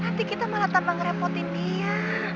nanti kita malah tambah ngerepotin dia